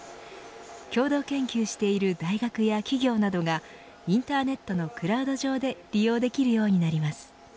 共同研究している大学や企業などがインターネットのクラウド上で利用できるようになります。